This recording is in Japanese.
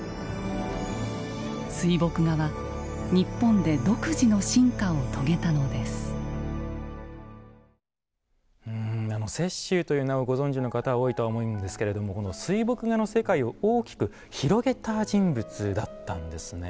水墨画は日本で独自の進化を遂げたのです雪舟という名をご存じの方は多いとは思うんですけれども水墨画の世界を大きく広げた人物だったんですね。